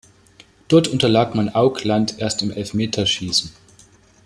Dort unterlag man Auckland erst im Elfmeterschießen.